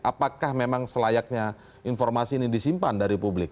apakah memang selayaknya informasi ini disimpan dari publik